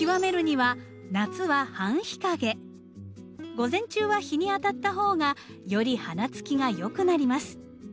午前中は日に当たった方がより花つきが良くなります。